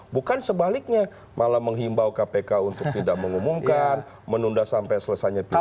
bukan sebaliknya malah menghimbau kpk untuk tidak mengumumkan menunda sampai selesainya pilihan